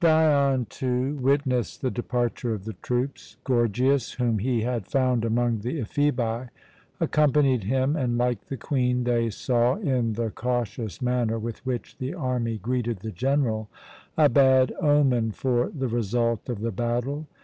Dion, too, witnessed the departure of the troops. Gorgias, whom he had found among the Ephebi, accompanied him and, like the Queen, they saw, in the cautious manner with which the army greeted the general, a bad omen for the result of the battle.